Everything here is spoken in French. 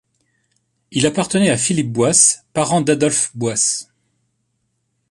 Il appartenait à Philippe Boisse, parent d'Adolphe Boisse.